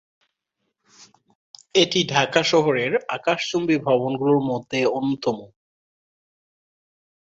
এটি ঢাকা শহরের আকাশচুম্বী ভবনগুলোর মধ্যে অন্যতম।